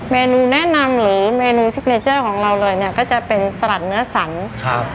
เมนูแนะนำหรือเมนูซิกเนเจอร์ของเราเลยเนี่ยก็จะเป็นสลัดเนื้อสันครับ